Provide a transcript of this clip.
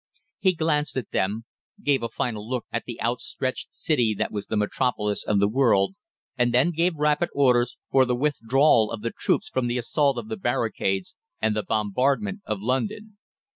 He glanced at them, gave a final look at the outstretched city that was the metropolis of the world, and then gave rapid orders for the withdrawal of the troops from the assault of the barricades, and the bombardment of London.